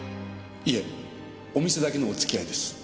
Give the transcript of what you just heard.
いえお店だけのお付き合いです。